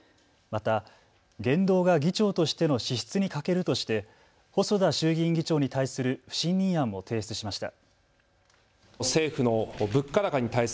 また言動が議長としての資質に欠けるとして細田衆議院議長に対する不信任案も提出しました。